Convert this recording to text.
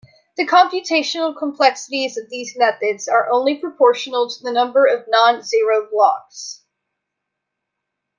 The computational complexities of these methods are only proportional to the number of non-zero blocks.